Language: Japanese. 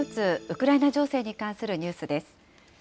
ウクライナ情勢に関するニュースです。